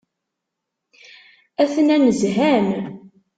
Atnan zhan.